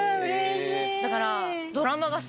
だから。